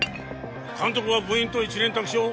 監督は部員とは一蓮托生